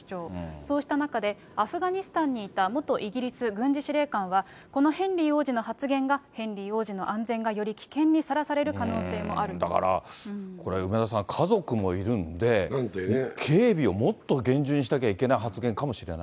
そうした中で、アフガニスタンにいた元イギリス軍事司令官は、このヘンリー王子の発言がヘンリー王子の安全がより危険にさらさだから、これ、梅沢さん、家族もいるんで、警備をもっと厳重にしなきゃいけない発言かもしれない。